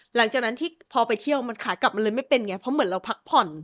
หลังจากนั้นที่พอไปเที่ยวมันขากลับมันเลยไม่เป็นไงเพราะเหมือนเราพักผ่อน